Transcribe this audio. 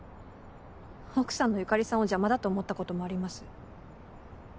奥さんの由香里さんを邪魔だと思ったこともあります。